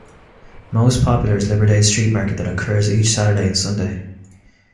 Most popular is Liberdade street market that occurs each Saturday and Sunday.